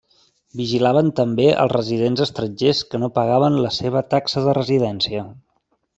Vigilaven també als residents estrangers que no pagaven la seva taxa de residència.